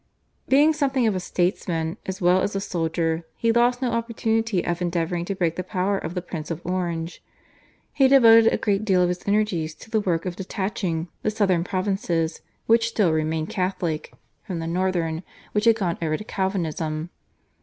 Being something of a statesman as well as a soldier he lost no opportunity of endeavouring to break the power of the Prince of Orange. He devoted a great deal of his energies to the work of detaching the southern provinces, which still remained Catholic, from the northern, which had gone over to Calvinism.